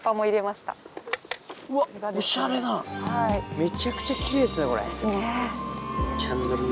めちゃくちゃ奇麗ですねこれ。